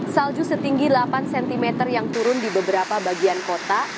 salju setinggi delapan cm yang turun di beberapa bagian kota